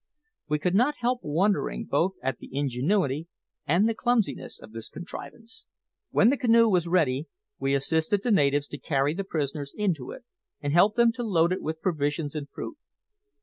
We could not help wondering both at the ingenuity and the clumsiness of this contrivance. When the canoe was ready, we assisted the natives to carry the prisoners into it, and helped them to load it with provisions and fruit.